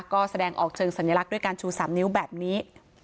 ก็แสดงออกเชิงสัญลักษณ์ด้วยการชู๓นิ้วแบบนี้